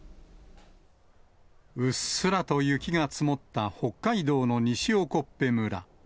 うっすらと雪が積もった北海道の西興部村。